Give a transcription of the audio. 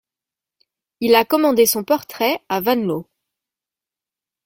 Il a commandé son portrait à Van Loo.